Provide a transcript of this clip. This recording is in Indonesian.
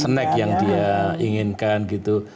snack yang dia inginkan gitu